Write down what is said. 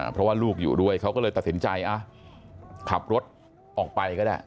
เพราะว่าลูกอยู่ด้วยเขาก็เลยตัดสินใจขับรถออกไปก็ได้